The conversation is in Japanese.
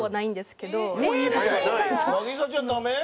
凪咲ちゃんダメ？